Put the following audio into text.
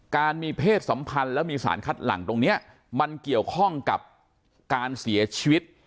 การมีเพศสัมพันธ์แล้วมีสารคัดหลังตรงนี้มันเกี่ยวข้องกับการเสียชีวิต